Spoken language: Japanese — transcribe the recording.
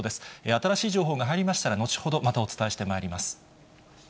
新しい情報が入りましたら、後ほど、またお伝えしてまいります。